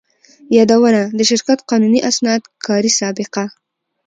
يادونه: د شرکت قانوني اسناد، کاري سابقه،